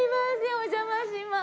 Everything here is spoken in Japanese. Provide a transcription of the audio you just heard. お邪魔します。